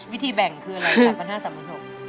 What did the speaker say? วิธีแบ่งคืออะไรสามพันห้าสามพันหก